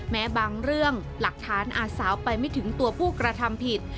แม้บางเรื่องหลักฐานอาสาวไปไม่ถึงตัวผู้กระทำผิด